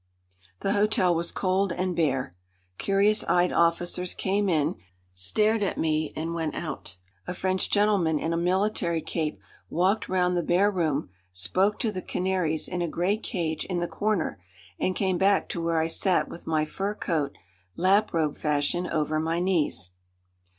The hotel was cold and bare. Curious eyed officers came in, stared at me and went out. A French gentleman in a military cape walked round the bare room, spoke to the canaries in a great cage in the corner, and came back to where I sat with my fur coat, lap robe fashion, over my knees.